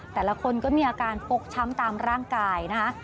แต่ละคนก็มีอาการฟกช้ำตามร่างกายนะคะ